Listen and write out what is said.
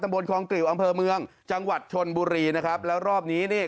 บนคลองกลิวอำเภอเมืองจังหวัดชนบุรีนะครับแล้วรอบนี้นี่